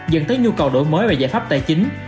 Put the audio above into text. dẫn tới nhu cầu đổi mới về giải pháp tài chính